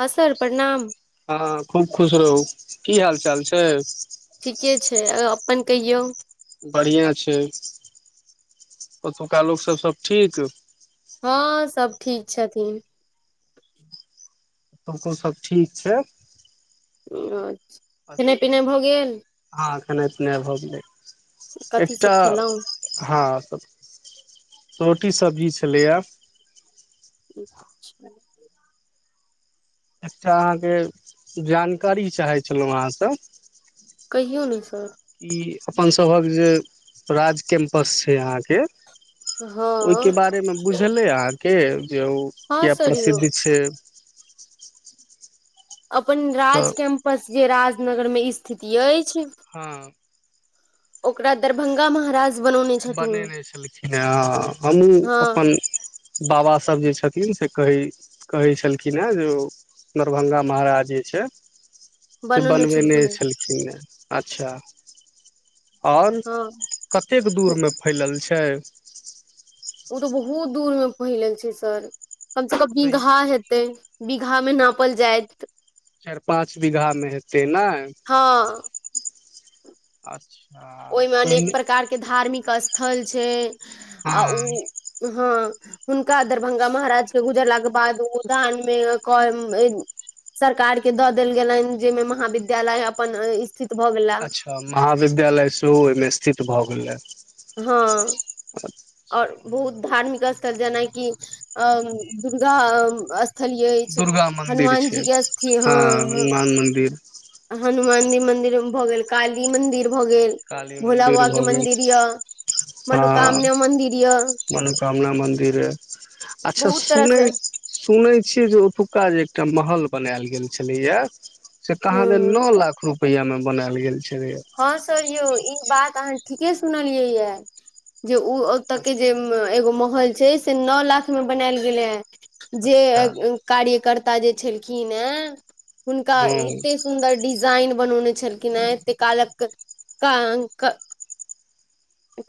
हँ सर प्रणाम हँ खूब खुश रहू की हाल चाल छै ठीके छै अपन कहियौ बढ़िआँ छै ओतुका लोक सब सब ठीक हँ सभ ठीक छथिन तो सभ ठीक छै छ खेनेऽ पिनाय भऽ गेल खैनय पीनाय भ गेलै कथी सब एकटा खेलहुँ हँ रोटी सब्जी छलैए अच्छा एकटा अहाँके जानकारी चाहै छलहुँ अहाँस कहियौ ने सर ई अपन सभक जे राज कैम्पस छै अहाँके ओहिके हँ बारेमे बुझलै आर के यौ हँ किया सर यौ प्रसिद्ध छै अपन अपन तऽ राज कैम्पस जे राज नगर मे ई स्थिति अछि हँ ओकरा दरभङ्ंगा महराज बनेने छलखिन हे ह हमहुँ हँ अपन बाबा सभ जे छथिन से कहै कहै छलखिन हेँ जे ओ दरभङ्गा महाराज जे छै से बनौने बनबयने छलखुन हेँ छलखिन हेँ अच्छा आओर हँ कते मे फैलल ल छै ओ तऽ बहुत दूर मे फैलल छै सर हम सब के तऽ बिघा हेतै बि घा मे नापल जायत चारि पाँच बीघा मे हेत ते नाइ हँ अच् ओहिमे अनेक प्रकार के धार्मिक स्थ थल छै हँ आउ हँ हुनका दरभंगा महाराज के गुजरलाक के बाद उ दान में सरकार के दऽ देल गेलनि जाहिमे महाविद्यालय अपन स्थित भऽ गेला अच्छा महाविद्यालय ओहिमे स्थित भऽ गेल हे हँ आओर बहुत धार्मिक स्थ जेना की अ दुर्गा स्थल अछि दुर्गा मन्दिर हनुमान छै जी के स्थि हँ हँ हनुमान मन्दिर हनुमान जी मंदिर भऽ गेल काली मंदिर भऽ गेल काली भोला मन्दिर बाबा के भऽ गेल मन्दिर यऽ हँ मनोकामना मन्दि मनोकामना मन्दिर अच्छा बहुत तरह सुनै से सुनै छियै जे ओतुका जे एकटा महल बनायल गेल छलैय ये से कहाँ दैन हूं नऽ लाख रुप रुपया मे बनायल गेल छलैया हँ सर यौ ई बात अहाँ ठीके सुनलियै यऽ जे ओ ओतए के जे एगो होल छै से नऽ लाख मे बनायल गेलै ह जे अच्छा कार्यकर् ता जे छलखिन ए हुनका हँ एते सुन्दर डि डिजाइन बनौने छलखिन हँ ते कालक कां क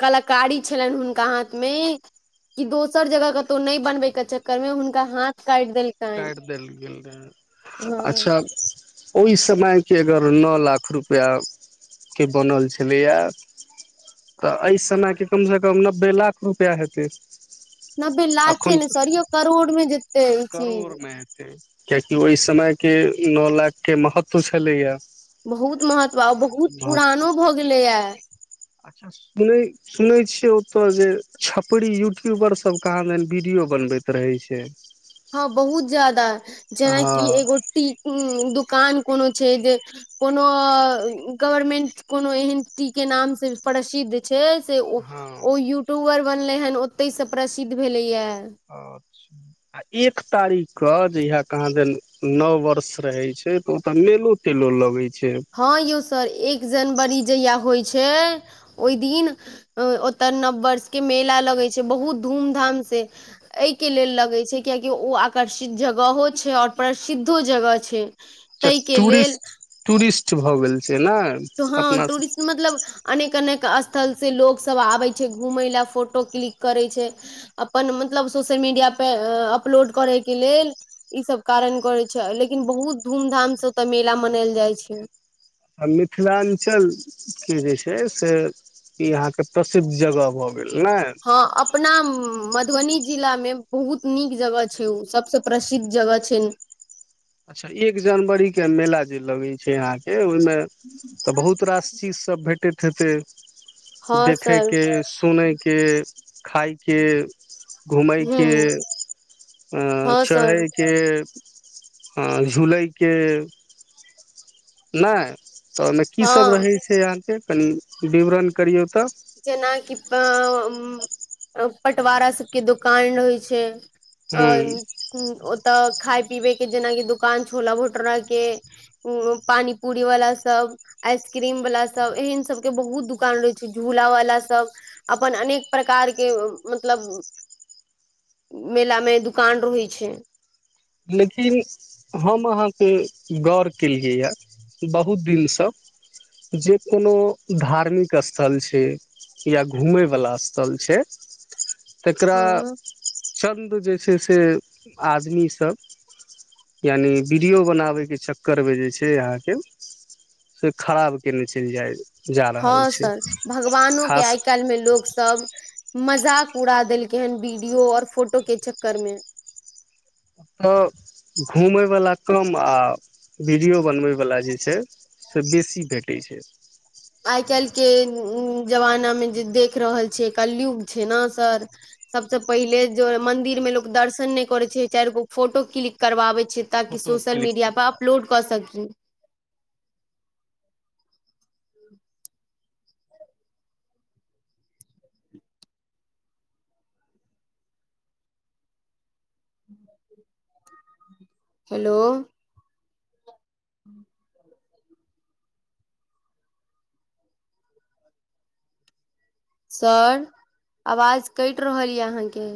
कलाकारी छलनि हुनका हाथ मे कि दोसर जगह कतहु नहि बनबै के चक्करमे हुनका हाथ काटि देलकनि काटि देल गेल रहै हँ अच्छा ओहि समयके अगर नऽ लाख रुपआके बनल छलैए तऽ एहि समयके कमसँ कम नब्बे लाख रुपैआ हेतै नब्बे लाखे ने सोरीऔ करोड़मे जे [inaudible] करोर मे हेते कियाकि ओहि समयके नओ लाखके महत्व छलैएा [inaudible] बहुत महत्व बहुत पुरानो भऽ गेलैए अच्छा सुनैत सुनै छियै ओतय जे छपरी यूट्यूबरसभ कह आाँ एन वीडियो बनबैत रहैत छै हँ बहुत ज्यादा जेनाकि हँ एगोटी [inaudible] कान कोनो छै जे कोनो गवर्मेंट कोनो एहन तटी के नाम से प्रसिद्ध छै हँ ओ यट्यूबर [inaudible] बनले हन ओते से प्रसिद्ध भेले या अच्छा आ एक तारीख के जहिया केाँ दे नव वर्ष रहे छै त ता मेलो तेलो लगे छै हँ यौ सर एक जनवरी जहिया होइ छै ओहि दिन ओते नववर्ष के मेला लगे छै बहुत धूम धाम से ए के लेल लगे छै कआाकि ओ आकर्षित जगहो छै और प्रसिद्धो जगह छै अच्ा ताहिके लेल टूरिस्ट- टूरिस्ट किछु भऽ गेल छै ने हँ अपना ूरिस्ट मतलब अनेक - अनेक स्थलसँ लोकसभ आबै छै घुमै लेलए फोटो क्लिक करै छै अपन मतलब सोशल मीडियापर अपलोड करैके लेल ईसभ कारण करै छै लेकिन बहुत धूमधामसँ ओतय मेला मनायल जाइ छै मिथिलाञ्चल के जे छै से यहाँ के प्रसिद्ध जगह भ [inaudible] हँ अपना म [inaudible] मधुबनी जिला मे बहुत नीक जगह छै ओ सबस प्रसिद्ध जगह छै अच्छा एक जनवरी के मेला जे लगैत छै अहाँके [inaudible] हि तऽ बहुत र ची भे [inaudible] खेतै हँ [inaudible] सर देखयके, सुनयके खाइके ह घूमयके, हँ सर चढ़यके ह [unintelligible] हं झूलैके नऽय तऽ ओहिमे की सब हँ रहै छै अहाँके कनि विवरण करियौ तऽ जेनाकिप [inaudible] पटवारा सबके दोकान रहै छै अ हूँ ओ तऽ खाय पीबे के जेनाकि दुकान छोला भटूरा के उ पानी पूरी वाला सब आइसक्रीम वाला सब एहेन सब के बहुत दुकान रहे छै झूला वाला सब अपन अनेक प्रकार के मतलब मेला में दुकान रहै छै लेकिन हम अहाँ के गौर केलियैए बहुत दिनसँ जे कोनो धार्मिक स्थल छै या घुमयवला स्थल छै तकरा हँ चन्द जे छै से आदमी सभ यानि वीडियो बनाबयके चक्करमे जे छै अहाँके से खराब केयने चलि जाय जा रहल हँ छै सर भगवानो के खास आइ काल्हिमे लोक सब मजाक उड़ा देलकै हेन वीडियो आऔर फोटोे चक्करमे तय घूमयवला कम आ वीडियो बनबयवला जे छै से बेसी भेटै छै आइ काईल के जमाना में जे देख रहल छै कलयुग छै ने सर सबसे पहिले जो मंदिर मे लोग दर्शन नहि करे छै चार गो फोटो क्लिक करवाबे छै ताकि सोशल मीडिया पर अपलोड कऽ सकी हेलो सर आवाज कटि रहल यए अहाँके